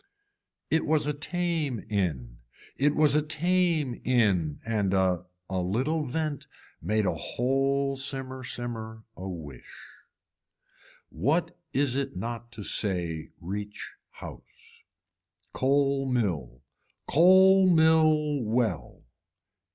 It was a tame in, it was a tame in and a a little vent made a whole simmer simmer a wish. What is it not to say reach house. Coal mill. Coal mill well.